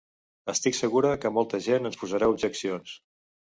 Estic segura que molta gent ens posarà objeccions.